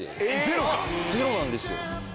ゼロなんですよ。